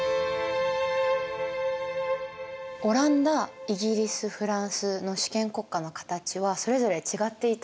オランダイギリスフランスの主権国家の形はそれぞれ違っていたんですね。